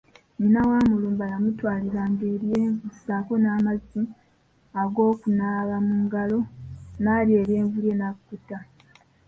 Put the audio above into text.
Nnyina wa Mulumba yamutwalinga eryenvu saaako n’amazzi ag’okunaaba mu ngalo ng’alya eryenvu lye ng’akkuta.